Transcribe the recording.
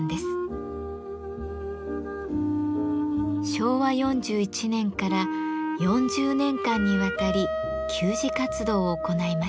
昭和４１年から４０年間にわたり給餌活動を行いました。